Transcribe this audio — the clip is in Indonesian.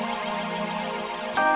tunggu kita kembali ke rumah seseorang